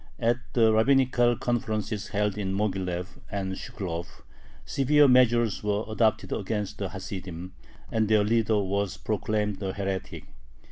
At the rabbinical conferences held in Moghilev and Shklov severe measures were adopted against the Hasidim, and their leader was proclaimed a heretic.